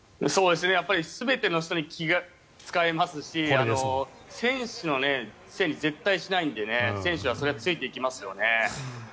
全ての人に気が使えますし選手のせいに絶対にしないので選手はそれについていきますよね。